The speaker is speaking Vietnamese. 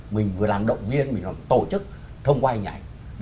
mình vừa làm động viên mình vừa làm tổ chức thông quay nhảy